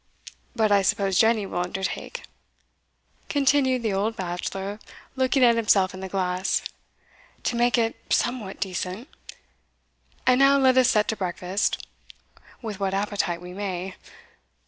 But I suppose Jenny will undertake" continued the old bachelor, looking at himself in the glass "to make it somewhat decent. And now let us set to breakfast with what appetite we may.